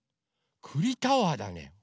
くりタワーだね。